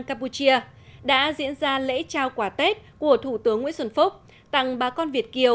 campuchia đã diễn ra lễ trao quả tết của thủ tướng nguyễn xuân phúc tặng bà con việt kiều